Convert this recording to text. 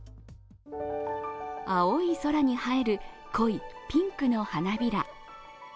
青い空に映える濃いピンクの花びら。